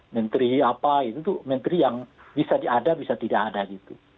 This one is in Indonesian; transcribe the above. menteri apa itu tuh menteri yang bisa diada bisa tidak ada gitu